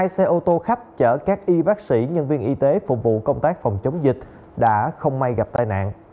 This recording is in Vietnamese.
hai xe ô tô khách chở các y bác sĩ nhân viên y tế phục vụ công tác phòng chống dịch đã không may gặp tai nạn